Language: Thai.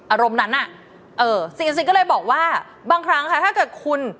อารมณ์นั้นอ่ะเออสินสินก็เลยบอกว่าบางครั้งค่ะถ้าเกิดคุณ